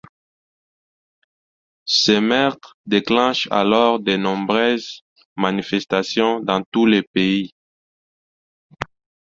Ce meurtre déclenche alors de nombreuses manifestations dans tout le pays.